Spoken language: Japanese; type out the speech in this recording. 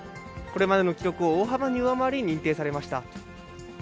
これまでの記録を大幅に上回り、認定されました。